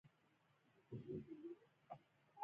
پوخ باور ماتې نه خوري